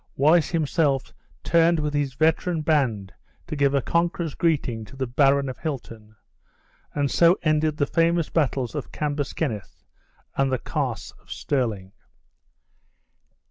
Wallace himself turned with his veteran band to give a conqueror's greeting to the Baron of Hilton, and so ended the famous battles of Cambus Kenneth and the Carse of Stirling.